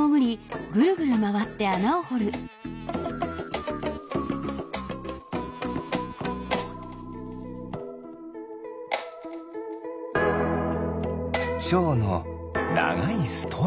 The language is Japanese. チョウのながいストロー。